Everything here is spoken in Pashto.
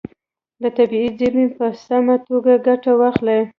له طبیعي زیرمو په سمه توګه ګټه واخلئ.